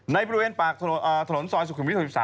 ในบริเวณปากซอยสุขุมวิท๖๓